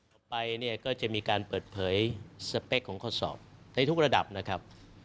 ต่อไปเนี่ยก็จะมีการเปิดเผยสเปคของข้อสอบในทุกระดับนะครับ